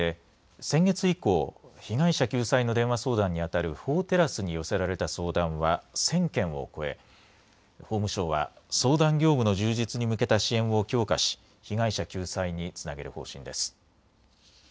旧統一教会などを巡る問題で先月以降、被害者救済の電話相談に当たる法テラスに寄せられた相談は１０００件を超え、法務省は相談業務の充実に向けた支援を強化し、被害者救済につなげる方針です。